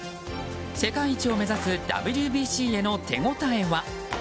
世界一を目指すＷＢＣへの手応えは？